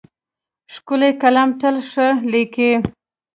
ښکلی قلم تل ښه لیکي.